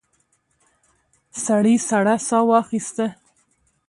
سړي سړه ساه واخیسته.